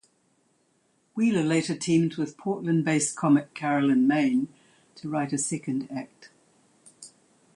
Wheeler later teamed with Portland-based comic Carolyn Main to write a second act.